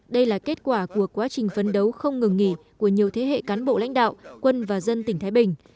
đây là kết quả của quá trình phấn đấu không ngừng nghỉ của nhiều thế hệ cán bộ lãnh đạo quân và dân tỉnh thái bình